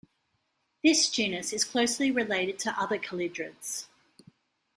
This genus is closely related to other calidrids.